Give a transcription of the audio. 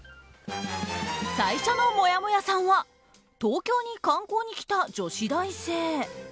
最初のもやもやさんは東京に観光に来た女子大生。